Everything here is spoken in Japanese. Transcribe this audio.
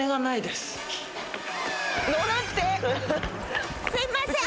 すみません！